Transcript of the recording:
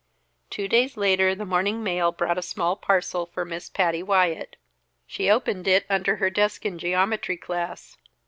Two days later the morning mail brought a small parcel for Miss Patty Wyatt. She opened it under her desk in geometry class.